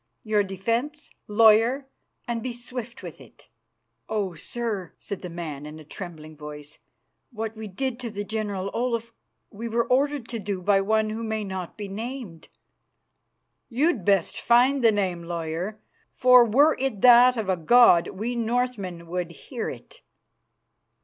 Your defence, lawyer, and be swift with it." "Oh! sir," said the man in a trembling voice, "what we did to the General Olaf we were ordered to do by one who may not be named." "You'd best find the name, lawyer, for were it that of a god we Northmen would hear it."